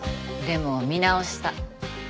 でも見直した。